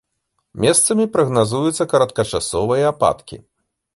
Месцамі прагназуюцца кароткачасовыя ападкі.